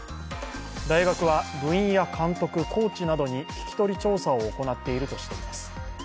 大学は、部員や監督、コーチなどに聞き取り調査を行っているとしています。